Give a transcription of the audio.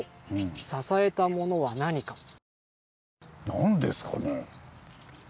何ですかね。